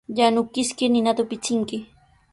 Yanukiskir ninata upichinki.